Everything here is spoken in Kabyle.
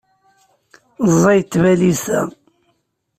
Ẓẓayet tbalizt-a.